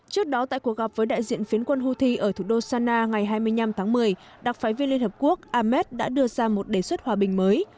trước đó tại cuộc gặp với đại diện phiến quân houthi ở thủ đô sana ngày hai mươi năm tháng một mươi đặc phái viên liên hợp quốc ahmed đã đưa ra một đề xuất hòa bình mới